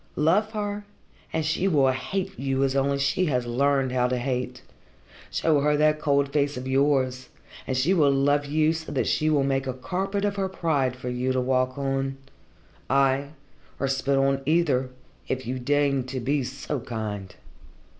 Love her, and she will hate you as only she has learned how to hate. Show her that cold face of yours, and she will love you so that she will make a carpet of her pride for you to walk on ay, or spit on either, if you deign to be so kind.